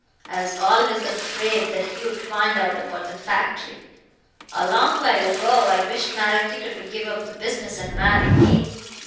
I was always afraid that he would find out about the factory. A long while ago I wished Maraquito to give up the business and marry me.